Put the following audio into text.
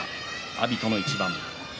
阿炎との一番。